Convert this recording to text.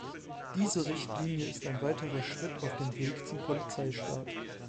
Diese Richtlinie ist ein weiterer Schritt auf dem Weg zum Polizeistaat.